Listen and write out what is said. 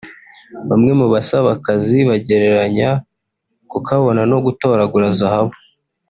bamwe mu basaba akazi bagereranya kukabona no gutoragura zahabu